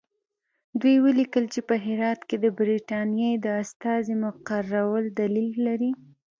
دوی ولیکل چې په هرات کې د برټانیې د استازي مقررول دلیل لري.